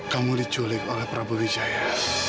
kamu diculik oleh prabowo wijaya